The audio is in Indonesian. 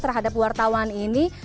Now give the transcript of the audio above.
terhadap wartawan ini